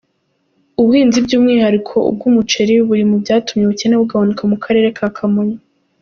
Ubuhinzi by’umwihariko ubw’umuceri buri mu byatumye ubukene bugabanuka mu Karere ka Kamonyi.